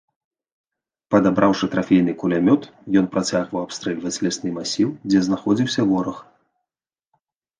Падабраўшы трафейны кулямёт, ён працягваў абстрэльваць лясны масіў, дзе знаходзіўся вораг.